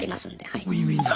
はい。